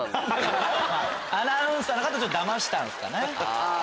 アナウンサーの方騙したんすかね。